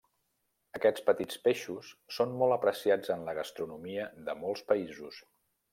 Aquests petits peixos són molt apreciats en la gastronomia de molts països.